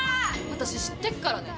私、知ってるからね。